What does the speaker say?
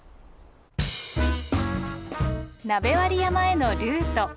鍋割山へのルート。